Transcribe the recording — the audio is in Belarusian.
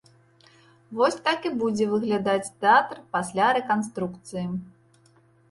Вось так будзе выглядаць тэатр пасля рэканструкцыі.